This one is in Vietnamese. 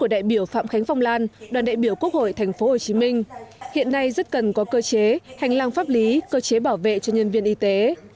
đại biểu phạm khánh phong lan đoàn đại biểu quốc hội tp hcm hiện nay rất cần có cơ chế hành lang pháp lý cơ chế bảo vệ cho nhân viên y tế